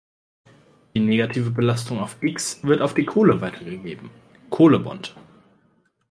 Die negative Belastung auf X wird auf die Kohle weitergegeben - Kohlebond.